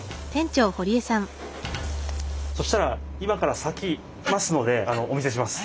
そしたら今からさきますのでお見せします。